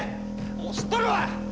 もう知っとるわ！